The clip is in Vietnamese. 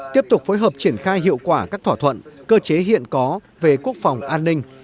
tiếp tục phối hợp triển khai hiệu quả các thỏa thuận cơ chế hiện có về quốc phòng an ninh